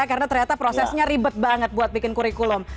karena ternyata prosesnya ribet banget buat bikin kurikulum